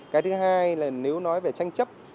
cái thứ hai là nếu nói về tranh chấp